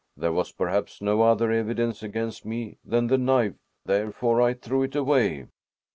There was perhaps no other evidence against me than the knife, therefore I threw it away."